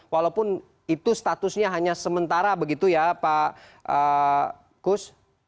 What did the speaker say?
walaupun itu statusnya hanya sementara begitu ya pak kus